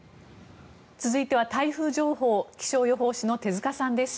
続いては台風情報気象予報士の手塚さんです。